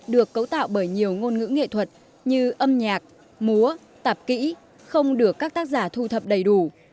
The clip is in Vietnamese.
được cấu tạo bởi nhiều ngôn ngữ nghệ thuật như âm nhạc múa tạp kỹ không được các tác giả thu thập đầy đủ